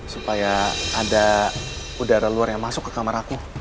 supaya ada udara luar yang masuk ke kamar aku